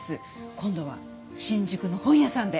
今度は新宿の本屋さんで。